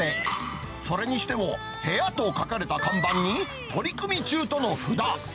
それにしても部屋と書かれた看板に、取組中との札。